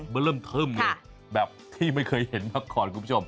ไปเริ่มเขิมขนาดแบบที่ไม่ใช่เห็นมากก่อน